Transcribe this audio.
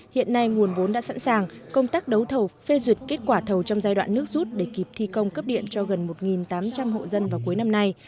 hiện nay nguồn vốn đã sẵn sàng công tác đấu thầu phê duyệt kết quả thầu trong giai đoạn nước rút để kịp thi công cấp điện cho gần một tám trăm linh hộ dân vào cuối năm nay